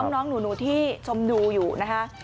น้องหนูที่ชมดูอยู่นะคะ